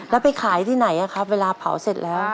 แล้วไปขายที่ไหนครับเวลาเผาเสร็จแล้ว